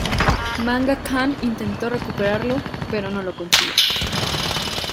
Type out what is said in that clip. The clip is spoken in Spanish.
Manga Khan intentó recuperarlo, pero no lo consiguió.